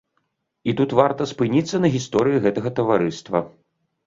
І тут варта спыніцца на гісторыі гэтага таварыства.